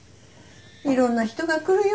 いろんな人が来るよ